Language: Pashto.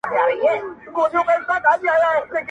حقیقت به درته وایم که چینه د ځوانۍ راکړي-